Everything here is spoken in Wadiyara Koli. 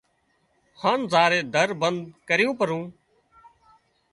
هانَ زائينَ در بند ڪريون پرون